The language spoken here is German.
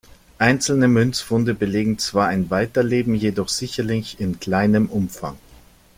Einzelne Münzfunde belegen zwar ein Weiterleben, jedoch sicherlich in kleinem Umfang.